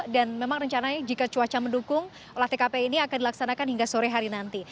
dan memang rencananya jika cuaca mendukung ulah tkp ini akan dilaksanakan hingga sore hari nanti